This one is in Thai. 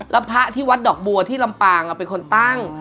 แล้วพระที่วัดดอกบัวที่ลำปางเป็นคนตั้ง